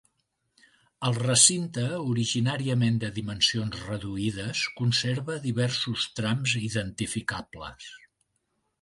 El recinte, originàriament de dimensions reduïdes, conserva diversos trams identificables.